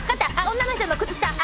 女の人の靴下赤。